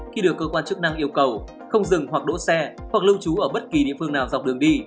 khi được cơ quan chức năng yêu cầu không dừng hoặc đỗ xe hoặc lưu trú ở bất kỳ địa phương nào dọc đường đi